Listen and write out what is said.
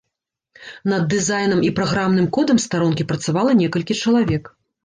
Над дызайнам і праграмным кодам старонкі працавала некалькі чалавек.